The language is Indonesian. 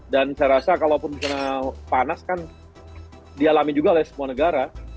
dan saya rasa kalau misalnya panas kan dialami juga oleh semua negara